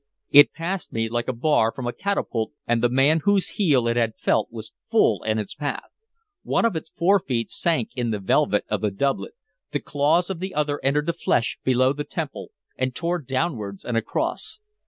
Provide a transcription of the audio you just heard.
It passed me like a bar from a catapult, and the man whose heel it had felt was full in its path. One of its forefeet sank in the velvet of the doublet; the claws of the other entered the flesh below the temple, and tore downwards and across.